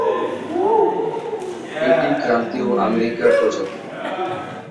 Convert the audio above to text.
এটি ক্রান্তীয় আমেরিকার প্রজাতি।